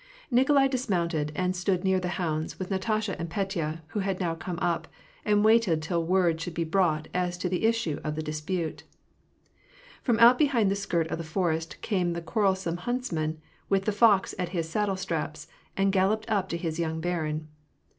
Nikolai dismounted, and stood near the hounds, with Natasha and Petya, who had now come up ; and waited till word should be brought as to the issue of the dispute. Out from behind the skirt of the forest came the quarrel some huntsman, with the fox at his saddle straps, and galloped up to his young barin.